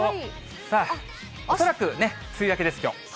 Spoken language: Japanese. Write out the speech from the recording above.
さあ、恐らく梅雨明けです、きょう。